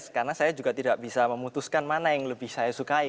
karena saya juga tidak bisa memutuskan mana yang lebih saya sukai